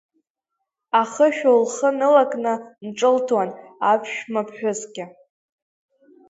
Ахышә лхы нылакны нҿылҭуан аԥшәмаԥҳәысгьы.